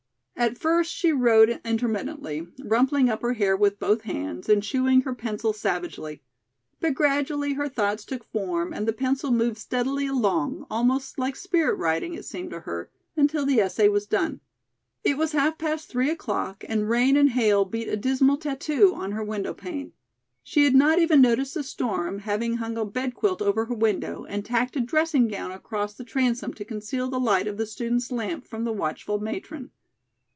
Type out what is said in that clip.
At first she wrote intermittently, rumpling up her hair with both hands and chewing her pencil savagely; but gradually her thoughts took form and the pencil moved steadily along, almost like "spirit writing" it seemed to her, until the essay was done. It was half past three o'clock and rain and hail beat a dismal tattoo on her window pane. She had not even noticed the storm, having hung a bed quilt over her window and tacked a dressing gown across the transom to conceal the light of the student's lamp from the watchful matron.